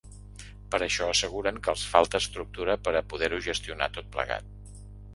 Per això asseguren que els falta estructura per a poder-ho gestionar tot plegat.